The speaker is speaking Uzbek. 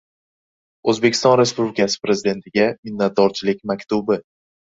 O‘zbekiston Respublikasi Prezidentiga minnatdorchilik maktubi